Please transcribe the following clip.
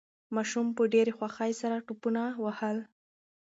ماشوم په ډېرې خوښۍ سره ټوپونه وهل.